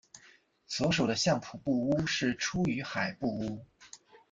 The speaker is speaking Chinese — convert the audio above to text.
所属的相扑部屋是出羽海部屋。